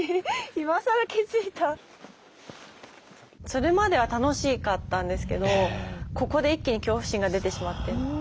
それまでは楽しかったんですけどここで一気に恐怖心が出てしまって。